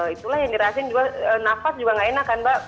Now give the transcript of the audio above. itulah yang dirasain juga nafas juga nggak enak kan mbak